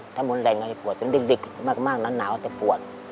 ถ้ามุนแรงก็จะปวดจนดึกมากน้ำหนาวจะปวด